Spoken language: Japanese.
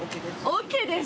ＯＫです。